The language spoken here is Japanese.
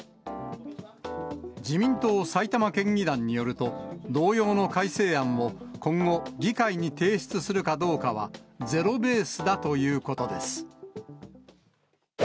自民党埼玉県議団によると、同様の改正案を今後、議会に提出するかどうかは、ゼロベースだということです。